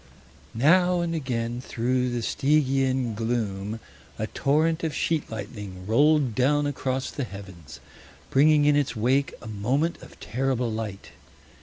Now and again through the Stygian gloom a torrent of sheet lightning rolled down across the heavens, bringing in its wake a moment of terrible light.